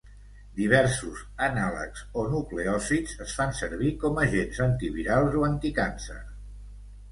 Diversos anàlegs a nucleòsids es fan servir com agents antivirals o anticàncer.